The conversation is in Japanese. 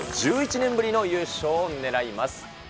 １１年ぶりの優勝を狙います。